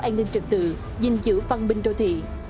an ninh trực tự giữ văn minh đô thị